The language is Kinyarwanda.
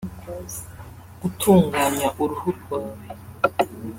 Gutunganya uruhu rwawe